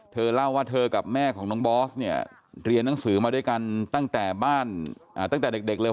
เธอเล่าว่าเธอกับแม่ของน้องบอสเนี่ยเรียนหนังสือมาด้วยกันตั้งแต่บ้านตั้งแต่เด็กเลย